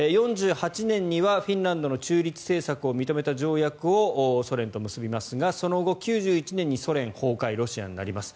４８年にはフィンランドの中立政策を認めた条約をソ連と結びますがその後、９１年にソ連崩壊ロシアになります。